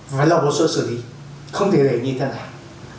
phải là một sự xử lý không thể để như thế nào